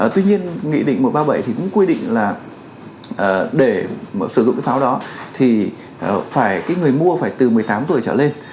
tuy nhiên nghị định một trăm ba mươi bảy thì cũng quy định là để sử dụng cái pháo đó thì phải cái người mua phải từ một mươi tám tuổi trở lên